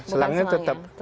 selangnya tetap satu kali